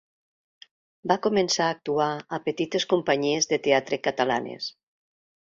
Va començar a actuar a petites companyies de teatre catalanes.